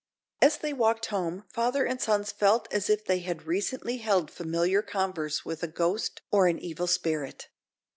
As they walked home, father and sons felt as if they had recently held familiar converse with a ghost or an evil spirit.